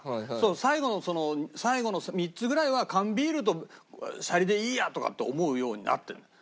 最後の最後の３つぐらいは缶ビールとシャリでいいやとかって思うようになってるんだよ。